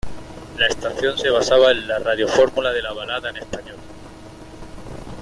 La estación se basaba en la radiofórmula de la balada en español.